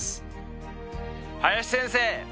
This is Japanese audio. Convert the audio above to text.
林先生！